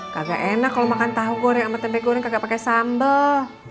kaga enak kalo makan tahu goreng sama tempe goreng kagak pake sambel